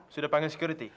sudah panggil sekuriti